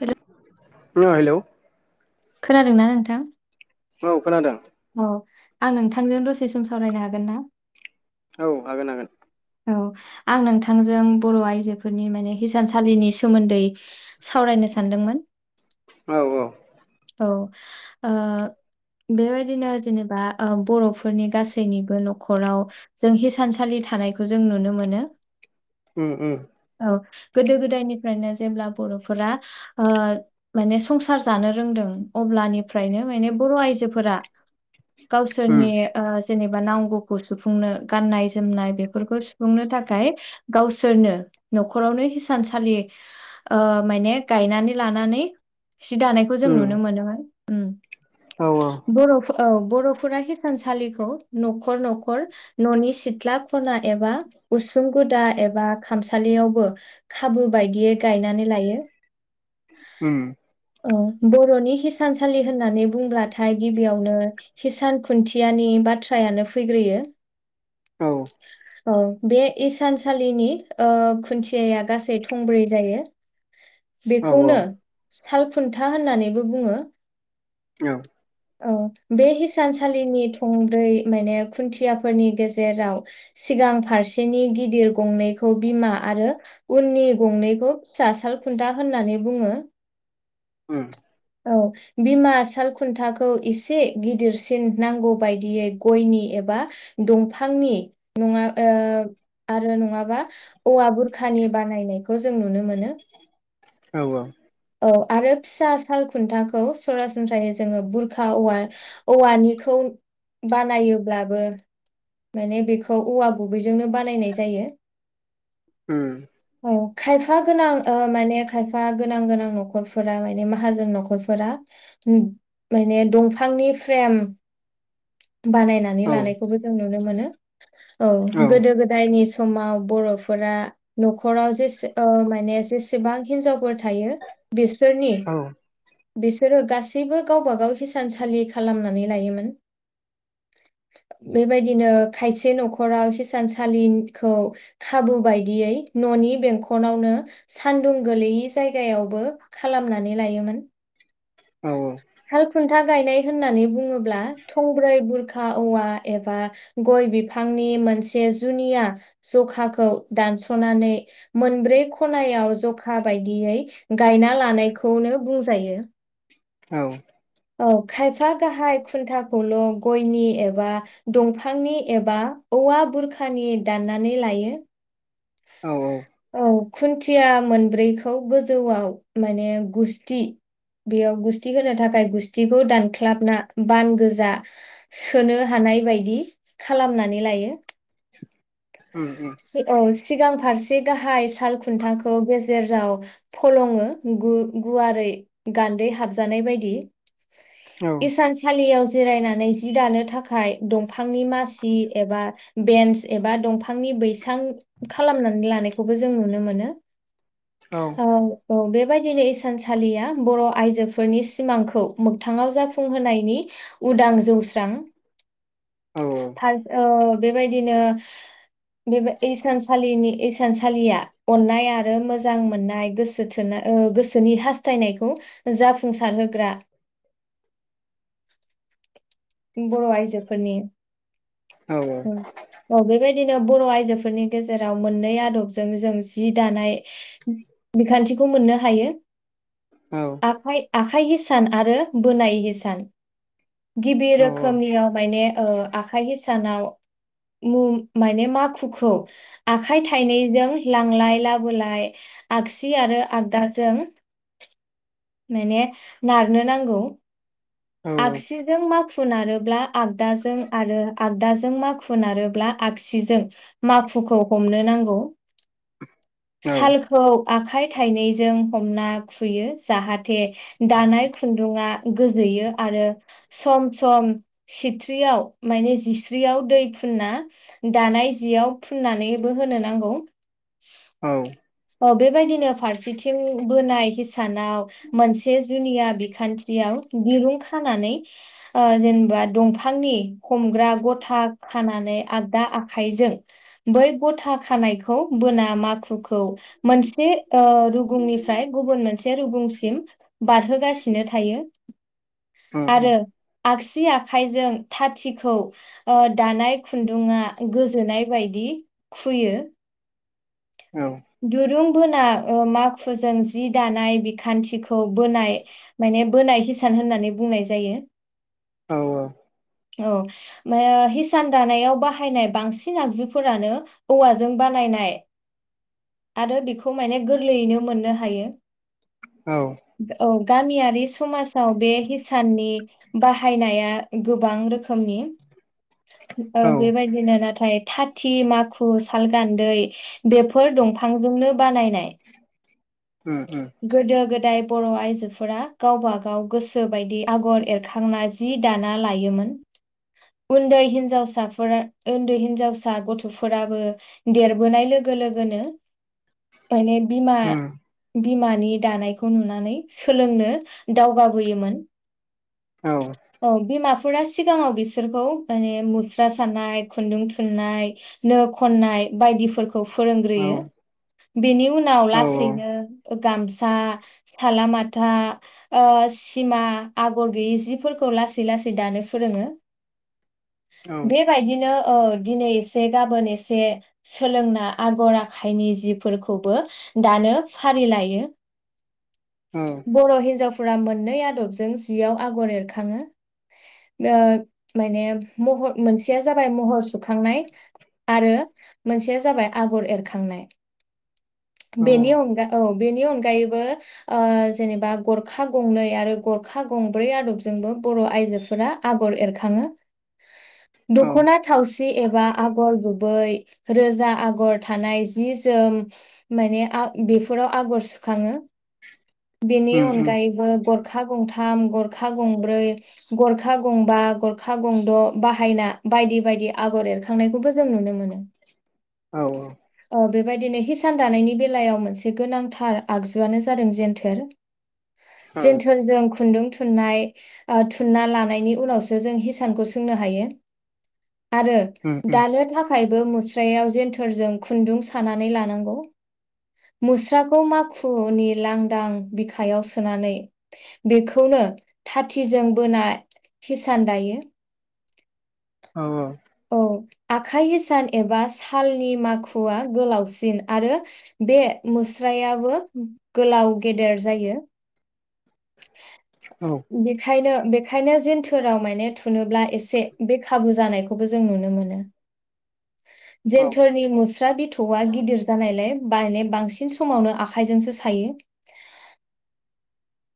हेल' अ' हेलौ खोनादोंना नोंथां? औ खोनादों। अ' आं नोंथांजों दसे सम सावरायनो हागोन ना? औ हागोन हागोन। औ आं नोंथांजों बर' आयजोफोरनि माने हिसानसालिनि सोमोन्दै सावरायनो सानदोंमोन। औ औ औ ओ बेबायदिनो जेनेबा ओ बर'फोरनि गासैनिबो न'खराव जों हिसानसालि थानायखौ जों नुनो मोनो। उम उम औ गोदो गोदायनिफ्रायनो जेब्ला बर'फोरा ओ माने संसार जानो रोंदों अब्लानिफ्रायनो माने बर' आइजोफोरा उम गावसोरनि ओ जेनेबा नांगौखौ सुफुंनो गाननाय जोमनाय बेफोरखौ सुफुंनो थाखाय गावसोरनो न'खरावनो हिसानसालि ओ मायने गायनानै लानानै सिदानाय खौ जों उम नुनो मोनोमोन। औ औ बर' औ बर'फोरा हिसानसालिखौ न'खर न'खर न'नि सिथ्ला खना एबा उसुं गुदा एबा खामसालियावबो खाबु बायदियै गायनानै लायो। उम ओ बर'नि हिसानसालि होननानै बुंब्लाथाय गिबियावनो हिसान खुन्थियानि बाथ्रायानो फैग्रोयो। औ औ बे इसानसालिनि ओ खुन्थियाया गासै थंब्रै जायो औ औ बेखौनो सालखुन्था होननानैबो बुङो। औ औ बे हिसानसालिनि थंब्रै माने खुन्थियाफोरनि गेजेराव सि गां फारसेनि गिदिर गंनै खौ बिमा आरो उननि गंनैखौ फिसा साल खुन्था होननानै बुङो। उम औ बिमा साल खुन्थाखौ एसे गिदिरसिन नांगौ बायदियै गयनि एबा बा दंफांनि नङा ओ आरो नङाबा औवा बुरखानि बानायनायखौ जों नुनो मोनो। औ औ। औ आरो फिसा साल खुन्थाखौ सरासनस्रायै जोङो बुरखा औव-औवानिखौ बानायोब्लाबो माने बेखौ औवा गुबैजोंनो बानायनाय जायो। ओम। औ खायफा गोनां ओ माने खायफा गोनां गोनां न'खरफोरा माने माहाजोन न'खरफोरा उम माने दंफांनि फ्रेम बानायनानै औ लानायखौबो जों नुनो मोनो। औ गोदो गोदायनि समाव बर'फोरा न'खराव जेसे ओ माने जेसेबां हिन्जावफोर थायो बिसोरनि बिसोरो गासैबो गावबा गाव हिसानसालि खालामनानै लायोमोन। [inaudible] बेबायदिनो खायसे न'खराव हिसानसालिखौ खाबु बायदियै न' नि बेंखनावनो सान्दुं गोलैयै जायगायावबो खालामनानै लायोमोन। औ औ। था गायनाय होननानै बुङोब्ला थंब्रै बुरखा औवा एबा गय बिफांनि मोनसे जुनिया जखाखौ दानस'नानै मोनब्रै खनायाव ज जखा बायदियै गायना लानायखौनो बुंजायो। औ। औ खायफा गाहाय खुन्थाखौल' गयनि एबा दंफांनि एबा औवा बुरखानि दाननानै लायो। औ औ। औ खुन्थिया मोनब्रैखौ गोजौआव माने गुस्थि बेयाव गुस्थि होनो थाखाय गुस्थिखौ दानख्लाबना बान गोजा सोनो हानाय बायदि खालामनानै लायो। उम उम सि औ सिगां फारसे गाहाय साल खुन्थाखौ गेजेराव फ'लङो गु-गुवारै गान्दै हाबजानाय बायदि। औ औ इसानसालियाव जिरायनानै जि दानो थाखाय दं फांनि मासि एबा बेन्स एबा दंफांनि बैसां खालामनानै लानाय खौबो जों नुनो मोनो। औ। औ बेबायदिनो इसानसालिया बर' आइजोफोरनि सिमांखौ मोगथाङाव जाफुंहोनायनि उदां जौस्रां पार्ट ओ बेबायदिनो बेबाय इसानसालिनि इसानसालिया अन्नाय आरो मोजां मोननाय गोसो थोनाय ओ गोसोनि हास्थायनायखौ जाफुंसार होग्रा बर' आइजोफोरनि औ औ बेबायदि दिनो बर' आइजोफोरनि गेजेराव मोननै आदबजों जों जि दानाय बिखान्थि खौ मोननो हायो। औ उम औ आखाइ आखाइ हिसान आरो बोनाय हिसान। गिबि औ औ रोखोमनियाव माने ओ आखाइ हिसानाव मु माने माखुखौ आखाइ थाइनैजों लांलाय लाबोलाय आगसि आरो आगदाजों माने नारनो नांगौ। औ आगसिजों माखु नारोब्ला आगदाजों आरो आगदा जों माखु नारोब्ला आगसिजों माखुखौ हमनो नांगौ। सालखौ आखाइ थाइनैजों हमना खुयो जाहाथ थे दानाय खुन्दुंआ गोजोयो। आरो सम सम सिथ्रियाव माने जिस्रियाव दै फुना दानाय जियाव फुननानैबो होनो नांगौ औ औ बेबायदिनो फारसेथिं बोनाय हिसानाव मोनसे जुनिया बिखान्थियाव दिरुं खानानै ओ जेनेबा दंफांनि हमग्रा गथा खानानै आगदा आखाइजों बै गथा खानायखौ बोना माखुखौ मोनसे ओ रुगुंनिफ्राय गुबुन मोनसे रुगुंसिम बारहोगासिनो थायो ओ आरो आगसि आखाइजों थाथिखौ ओ दानाय खुन्दुङा गोजोनाय बायदि खुयो दुरुं बोना ओ माखुजों जि दानाय बिखान्थिखौ बोनाय माने बोनाय हिसाब होननानै बुंनाय जायो औ औ औ हिसान दानायाव बाहायनाय बांसिन आगजुफोरानो औवाजों बानायनाय आरो बेखौ माने गोरलैयैनो मोननो हायो औ गामियारि समाजाव बे हिसाननि बाहायनाया गोबां रोखोमनि ओ बेबायदिनो नाथाय थाथि माखु साल गान्दै बेफोर दंफांजोंनो बानायनाय उम गोदो गो दाय बर' आइजोफोरा गावबा गाव गोसो बायदि आगर एरखांना जि दानाय ना लायोमोन उन्दै हिनजावसाफोरा उन्दै हिनजावसा गथ'फोराबो देरबोनाय लोगो लोगोनो बायनाय बिमा बिमानि दानायखौ नुनानै सोलोंनो दावगाबोयोमोन औ बे मा फुरा सिगाङाव बिसोरखौ माने मुस्रा सानाय खुन्दुं थुननाय नो खननाय बायदिफोरखौ फोरोंग्रोयो बेनि उनाव लासैनो गामसा सालामाथा ओ सिमा आगर गैयि जिफोरखौ खौ लासै लासै दानो फोरोङो बेबायदिनो औ दिनै एसे गाबोन एसे सोलोंना आगर आखाइनि जिफोरखौबो दानो फारि लायो बर' हिनजावफोरा मोननै आदबजों जियाव आगर एरखाङो ओ माने महर मोनसेया जाबाय महर सुखांनाय आरो मोनसेया जाबाय आगर एरखांनाय बेनि अनगा औ बेनि अनगायैबो ओ जेनेबा गरखा गंनै आरो गरखा गंब्रै आदबजोंबो बर' आइजोफोरा आगर आगर एरखाङो दख'ना थावसि एबा आगर गुबै रोजा आगर थानाय जि जोम माने बेफोराव आगर सुखाङो बेनि उम अनगायैबो गर खा गंथाम गरखा गंब्रै गरखा गंबा गरखा गंद' बाहायना बायदि बायदि आगर एरखांनायखौबो जों नुनो मोनो औ औ ओ बेबायदिनो हिसान दानायनि बेलायाव मोनसे गोनांथार आगजुआनो जादों जेनथोर उम जेनथोरजों खुन्दुं थुननाय थुनना लानायनि उनावसो जों हिसानखौ सोंनो हायो आरो उम दानो थाखाय ब मुस्रायाव जेन्थोरजों खुन्दुं सानानै लानांगौ मुस्राखौ मा खुनि लांदां बिखायाव सोनानै बेखौनो थाथिजों बोना हिसान दायो औ औ औ आखाइ हि सान एबा सालनि माखुआ गोलावसिन आरो बे मुस्रा [unintelligible] बो गोलाव गेदेर जायो। औ [inaudible] बेखायनो बेखायनो जेनथोराव माने थुनोब्ला एसे बे खाबु जानायखौबो जों नुनो मोनो औ जेन्थोरनि मुस्रा बिथौआ गिदिर जानायलाय बायनाय बांसिन समावनो आखाइजोंसो सायो [inaudible]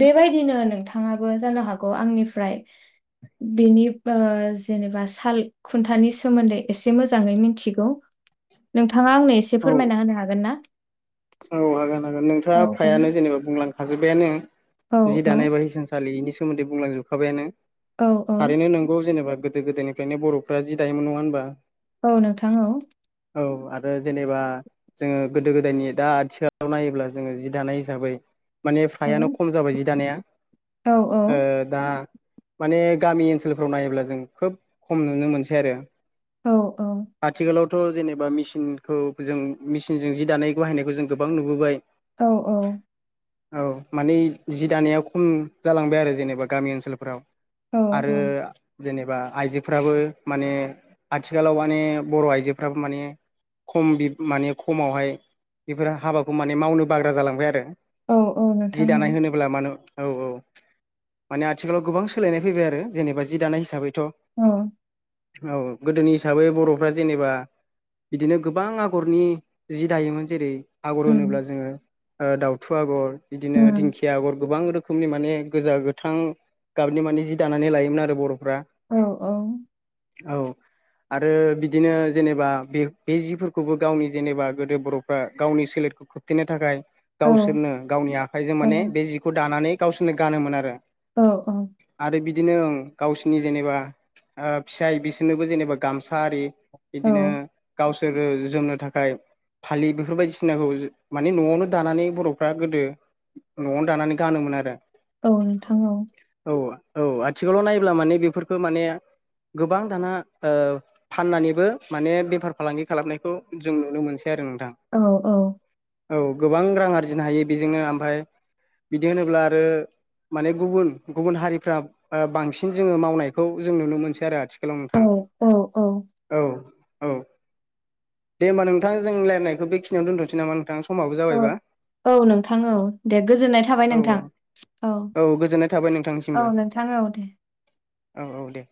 बेबायदिनो नोंथाङाबो जानो हागौ आंनिफ्राय बेनि ओ जेनेबा साल खुन्थानि सोमोन्दै एसे मोजाङै मिथिगौ नोंथाङा आंनो एसे औ फोरमायना होनो हागोन ना? औ हागोन हागोन औ नोंथाङा फ्रायानो जेनेबा बुंलांखाजोब्बायानो औ जि दानाय ए बा हिसानसालि बेनि सोमोन्दै बुंलांजोबखाबायानो औ औ थारैनो नोंगौ जेनेबा गोदो गोदायनिफ्रायनो बर'फ्रा जि दायोमोन नङा होनबा? औ नोंथां औ औ आरो जेनेबा जोङो गोदो गोदायनि दा आथिखालाव नायोब्ला जोङो जि दानाय हिसाबै माने औ फ्रायानो खम जाबाय जि दानाया औ ओ दा माने गामि ओनसोलफोराव नायोब्ला जों खोब खम नुनो मोनसै आरो औ औ थ' जेनेबा मेसिनखौ जों मेचिनजों जि दानाय बाहायनायखौ जों गोबां नुबोबाय औ औ औ माने जि दानाया खम जालांबाय आरो जेनेबा गामि ओनसोलफोराव औ आरो जेनेबा आइजोफ्राबो माने आथिखालाव माने बर' आइजोफ्राबो माने खम माने खमावहाय बेफोरो हाबाखौ माने मावनो बाग्रा जालांबाय आरो औ औ जि नोंथां दानाय औ होनोब्ला मानो औ औ माने आथिखालाव गोबां सोलायनाय फैबाय आरो जेनेबा जि दानाय हिसाबै औ गोदोनि हिसाबै बर'फ्रा जेनेबा बिदिनो गोबां आगरनि जि दायोमोन जेरै आगर होनोब्ला जोङो दाउथु आगर बिदिनो दिंखिया आगर गोबां रोखोम रोखोमनि माने गोजा गोथां गाबनि माने जि दानानै लायोमोन आरो बर' औ औ औ आरो बिदिनो जेनेबा बे बे जिफोरखौबो गावनि जेनेबा गोदो बर' गावनि सोलेरखौ खोबथेनो थाखाय गावसोरनो गावनि आखाइजों माने बे जिखौ दानानै गावोर ब गानोमोन आरो औ औ आरो बिदिनो गावसिोरनि जेनेबा फिसाय बिसोरनोबो जेनेबा गामसा आरि बिदिनो गावसोरो जोमनो थाखाय फालि बेफोर बायदिसिनाखौ माने न'आवनो दानानै बर'फ्रा गोदो न'आवनो दानानै गानोमोन आरो औ नोंथां औ औ औ आथिखालाव नायब्ला माने बेफोरखौ माने गोबां दाना फाननानैबो माने बेफार फालांगि खालामनायखौ जों नुनो मोनसै आरो नोंथां औ औ औ गोबां रां आरजिनो हायो बेजोंनो ओमफ्राय बिदि होनोब्ला आरो माने गुबुन गुबुन हारिफ्रा ओ बांसिन जोङो मावनायखौ जों नुनो मोनसै आथि औ नोंथां औ औ औ औ दे होमबा नों नोंथां जों रायनायखौ बेखिनियाव दोनथ'सै नामा नोंथां समाबो औ जाबायबा? औ नोंथां औ दे गोजोननाय थाबाय औ नोंथां औ औ गोजोननाय थाबाय औ नोंथांनिसिमबो नोंथां। औ दे। औ औ दे।